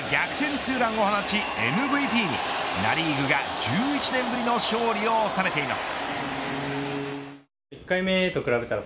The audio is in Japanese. ２ランを放ちＭＶＰにナ・リーグが、１１年ぶりの勝利を収めています。